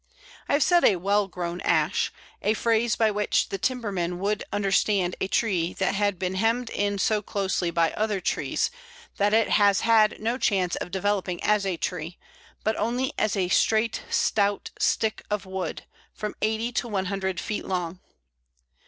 I have said "a well grown" Ash, a phrase by which the timberman would understand a tree that had been hemmed in so closely by other trees that it has had no chance of developing as a tree, but only as a straight stout stick of wood, from eighty to one hundred feet long.